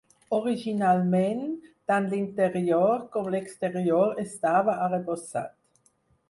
Originalment, tant l'interior com l'exterior estava arrebossat.